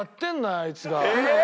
あいつが。え！